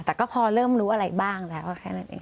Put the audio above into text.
แต่ก็พอเริ่มรู้อะไรบ้างแล้วแค่นั้นเอง